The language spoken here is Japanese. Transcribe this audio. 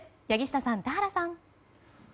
柳下さん、田原さん。